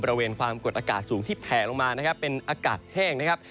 บริเวณความกดอากาศสูงที่แผลลงมานะครับเป็นอากาศแห้งนะครับ